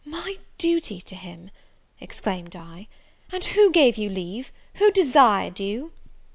"My duty to him!" exclaimed I, "and who gave you leave? who desired you?"